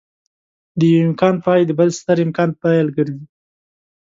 د يوه امکان پای د بل ستر امکان پيل ګرځي.